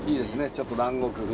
ちょっと南国風の。